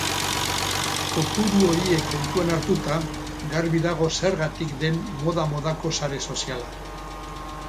Kopuru horiek kontuan hartuta, garbi dago zergatik den moda-modako sare soziala.